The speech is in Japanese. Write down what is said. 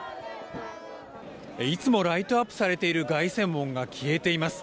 いつもライトアップされている凱旋門が消えています。